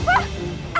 ya allah siva